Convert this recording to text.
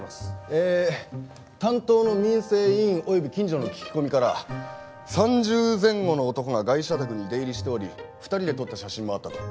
え担当の民生委員及び近所の聞き込みから３０前後の男がガイシャ宅に出入りしており２人で撮った写真もあったと。